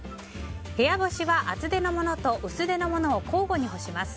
部屋干しは、厚手のものと薄手のものを交互に干します。